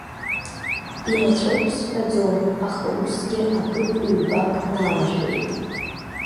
Ирацәоуп сҳәаӡом, аха усгьы акык-ҩбак налашәеит.